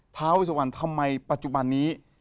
ท้าเวสวรรณทำไมปัจจุบันนี้